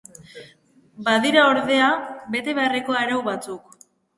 Badira ordea bete beharreko arau batzuk.